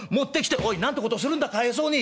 「おいなんてことするんだかわいそうに。